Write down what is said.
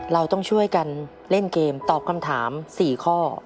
เราต้องช่วยกันเล่นเกมตอบคำถาม๔ข้อ